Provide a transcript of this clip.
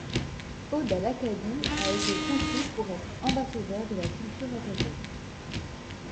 Ode à l'Acadie a été conçu pour être ambassadeur de la culture acadienne.